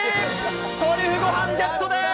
トリュフご飯ゲットです。